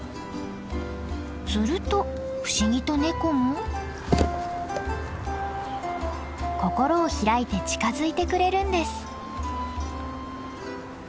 すると不思議とネコも心を開いて近づいてくれるんです。